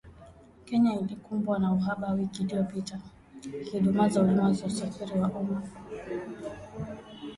Kenya ilikumbwa na uhaba wiki iliyopita, ikidumaza huduma za usafiri wa umma.